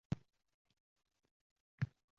Mos tushmay… Axir men endi ne qilay?